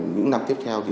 những năm tiếp theo